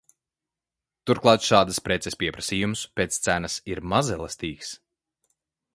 Turklāt šādas preces pieprasījums pēc cenas ir mazelastīgs.